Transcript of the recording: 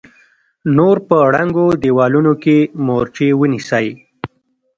نور په ړنګو دېوالونو کې مورچې ونيسئ!